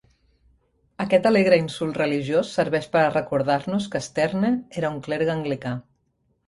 Aquest alegre insult religiós serveix per a recordar-nos que Sterne era un clergue anglicà.